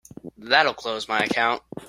That'll close my account.